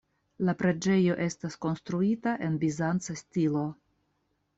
La preĝejo estas konstruita en bizanca stilo.